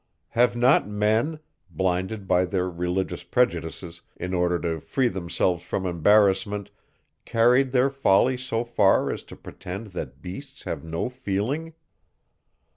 Have not men, blinded by their religious prejudices, in order to free themselves from embarrassment, carried their folly so far as to pretend that beasts have no feeling?